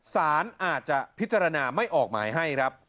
สารอาจจะพิจารณาไม่ออกหมายให้ครับ